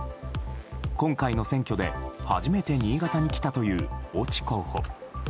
今回の選挙で、初めて新潟に来たという越智候補。